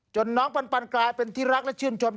น้องปันกลายเป็นที่รักและชื่นชม